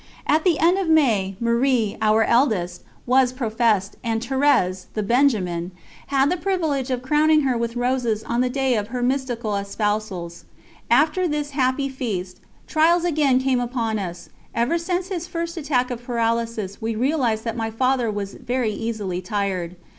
At the end of May, Marie, our eldest, was professed, and Thérèse, the Benjamin, had the privilege of crowning her with roses on the day of her mystical espousals. After this happy feast trials again came upon us. Ever since his first attack of paralysis we realised that my Father was very easily tired.